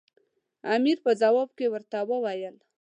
امیر په ځواب کې ورته وویل.